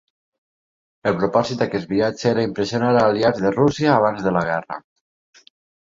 El propòsit d'aquest viatge era impressionar els aliats de Rússia abans de la guerra.